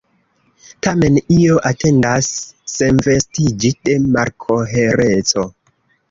Tamen io atendas senvestiĝi de malkohereco.